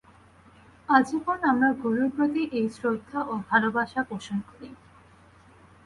আজীবন আমরা গুরুর প্রতি এই শ্রদ্ধা ও ভালবাসা পোষণ করি।